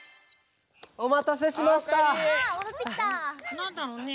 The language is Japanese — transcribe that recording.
なんだろうね？